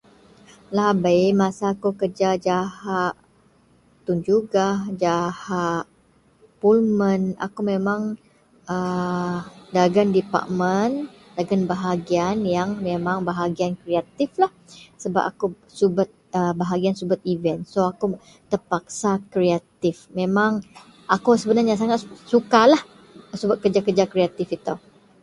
Lahabei masa akou kerja jahak Tun Jugah Jahak Pullman akou memang aa dagen department dagen bahagian yang memang bahagian kreatif lah sebab akou subet a bahagian subet event so akou terpaksa kreatif memang akou sebenarnya sangat sukalah subet kerja-kerja kreatif itou.